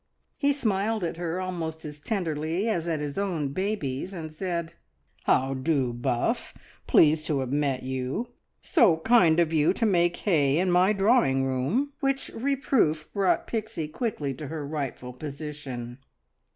He smiled at her almost as tenderly as at his own babies, and said "How do, Buff! Pleased to have met you. So kind of you to make hay in my drawing room," which reproof brought Pixie quickly to her rightful position.